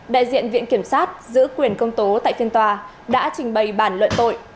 đại diện viện kiểm sát giữ quyền công tố tại phiên tòa đã trình bày bản luận tội